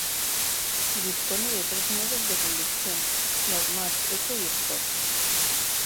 Dispone de tres modos de conducción: Normal, Eco y Sport.